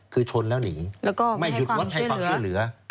คือชนแล้วหนีไม่หยุดรถให้ความขึ้นเหลือ